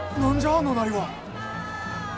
あのなりは。